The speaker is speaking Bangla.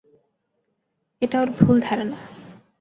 এটা ওর ভুল ধারণা।